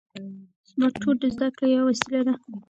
سمارټ فون د زده کړې یوه وسیله ده.